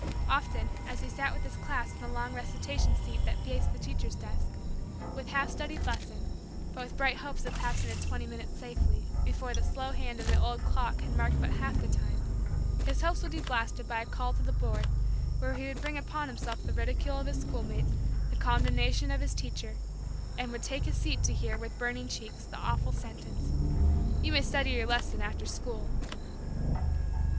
Often, as he sat with his class on the long recitation seat that faced the teacher's desk, with half studied lesson, but with bright hopes of passing the twenty minutes safely, before the slow hand of the old clock had marked but half the time, his hopes would be blasted by a call to the board where he would bring upon himself the ridicule of his schoolmates, the condemnation of the teacher, and would take his seat to hear, with burning cheeks, the awful sentence: "You may study your lesson after school."